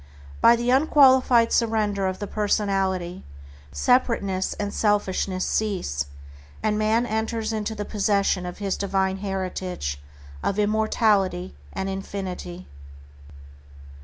By the unqualified surrender of the personality, separateness and selfishness cease, and man enters into the possession of his divine heritage of immortality and infinity.